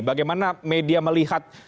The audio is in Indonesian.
bagaimana media melihat